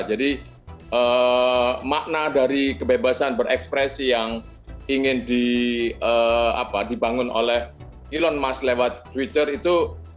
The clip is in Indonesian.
jadi makna dari kebebasan berekspresi yang ingin dibangun oleh elon musk lewat twitter itu